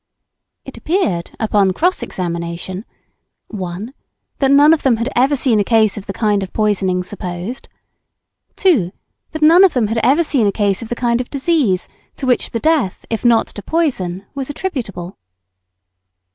It appeared, upon cross examination: 1. That none of them had ever seen a case of the kind of poisoning supposed. 2. That none of them had ever seen a case of the kind of disease to which the death, if not to poison, was attributable.